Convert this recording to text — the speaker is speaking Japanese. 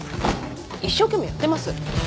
一生懸命やってます。